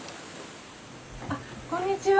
あっこんにちは。